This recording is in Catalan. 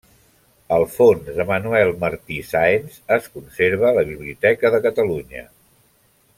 El fons de Manuel Martí Sáenz es conserva a la Biblioteca de Catalunya.